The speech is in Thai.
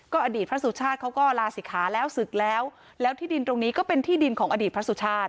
อดีตพระสุชาติเขาก็ลาศิกขาแล้วศึกแล้วแล้วที่ดินตรงนี้ก็เป็นที่ดินของอดีตพระสุชาติ